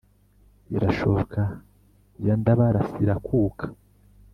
irashook iya ndábarás irakuka